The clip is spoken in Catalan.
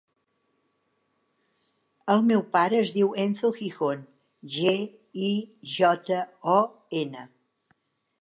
El meu pare es diu Enzo Gijon: ge, i, jota, o, ena.